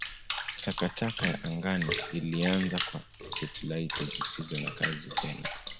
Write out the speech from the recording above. Takataka ya angani ilianza kwa satelaiti zisizo na kazi tena.